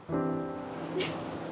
えっ。